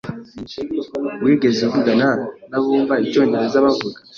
Wigeze uvugana nabumva icyongereza bavuga?